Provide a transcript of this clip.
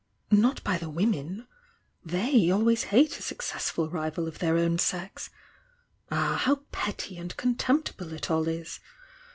— not by the women; they always hate a successful rival of their own sex! Ah, how petty and contemptible it all is!